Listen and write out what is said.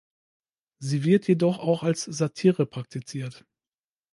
Sie wird jedoch auch als Satire praktiziert.